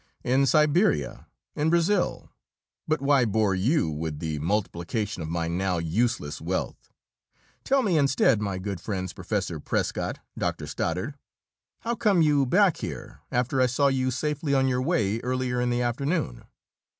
"In Siberia, in Brazil but why bore you with the multiplication of my now useless wealth? Tell me, instead, my good friends Professor Prescott, Doctor Stoddard how come you back here, after I saw you safely on your way earlier in the afternoon?"